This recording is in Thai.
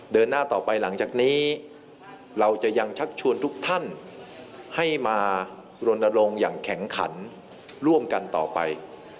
เดินหน้าต่อไปหลังจากนี้เราจะยังชักชวนทุกท่านให้มารณรงค์อย่างแข็งขันร่วมกันต่อไป